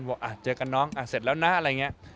บอกอ่ะเจอกันน้องอ่ะเสร็จแล้วนะอะไรอย่างเงี้ย